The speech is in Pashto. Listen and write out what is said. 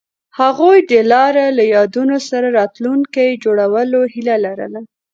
هغوی د لاره له یادونو سره راتلونکی جوړولو هیله لرله.